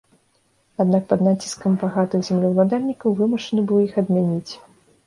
Аднак пад націскам багатых землеўладальнікаў вымушаны быў іх адмяніць.